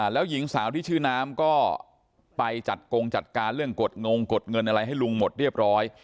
แล้วหญิงสาวที่ชื่อน้ำก็ไปจัดกงจัดการเรื่องกดงงกดเงินอะไรให้ลุงหมดเรียบร้อย